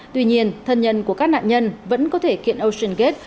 tuy nhiên thân nhân của các nạn nhân vẫn có thể kiện oceangate